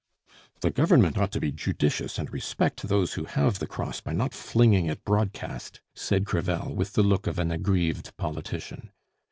"The Government ought to be judicious and respect those who have the Cross by not flinging it broadcast," said Crevel, with the look of an aggrieved politician.